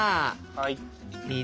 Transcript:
はい。